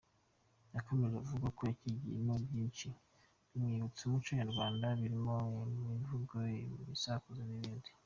Yakomeje avuga ko yakigiyemo byinshi bimwibutsa umuco nyarwanda birimo ibyivugo, ibisakuzo n’ibindi.